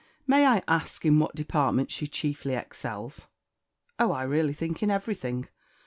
may I ask in what department she chiefly excels?" "Oh, I really think in everything.